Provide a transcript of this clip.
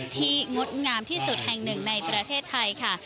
งดงามที่สุดแห่งหนึ่งในประเทศไทยค่ะ